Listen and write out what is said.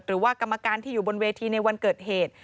หรือว่ากรรมการที่อยู่บนเวทีในวันเกิดเหตุ